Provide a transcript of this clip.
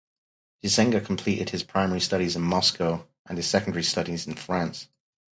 Gizenga completed his primary studies in Moscow and his secondary studies in France.